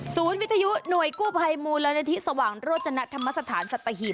วิทยุหน่วยกู้ภัยมูลนิธิสว่างโรจนธรรมสถานสัตหีบ